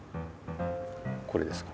これですか？